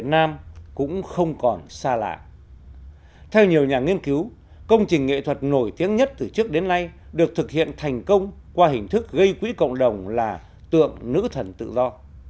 theo nhiều nhà nghiên cứu công trình nghệ thuật nổi tiếng nhất từ trước đến nay được thực hiện thành công qua hình thức gây quỹ cộng đồng là tượng nữ thần tự do